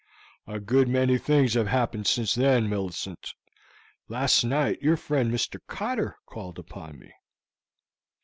"A good many things have happened since then, Millicent. Last night your friend Mr. Cotter called upon me."